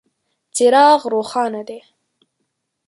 څراغ روښانه دی .